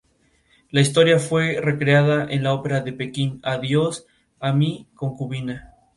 La historia fue recreada en la ópera de Pekín Adios a mí concubina.